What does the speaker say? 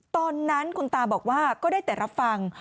ตอนนั้นคุณตาบอกว่าก็ได้แต่รับฟัง